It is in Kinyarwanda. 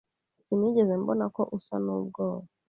Sinigeze mbona ko usa n'ubwoba.